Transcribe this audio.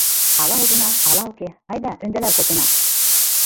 Ала ужына, ала уке — айда ӧндалал колтена...